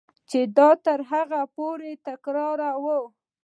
چې دا تر هغې پورې تکراروه.